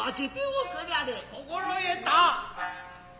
心得た。